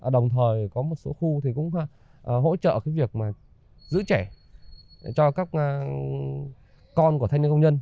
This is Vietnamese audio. đồng thời có một số khu cũng hỗ trợ việc giữ trẻ cho các con